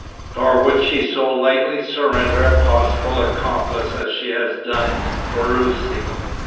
Nor would she so lightly surrender a possible accomplice as she has done Ferruci.